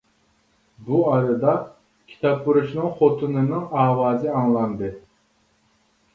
بۇ ئارىدا كىتابپۇرۇشنىڭ خوتۇنىنىڭ ئاۋازى ئاڭلاندى.